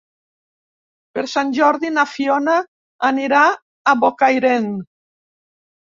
Per Sant Jordi na Fiona anirà a Bocairent.